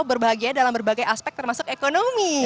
berbahagia dalam berbagai aspek termasuk ekonomi